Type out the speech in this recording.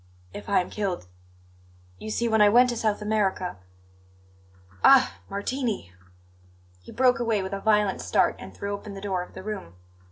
"If I am killed You see, when I went to South America Ah, Martini!" He broke away with a violent start and threw open the door of the room.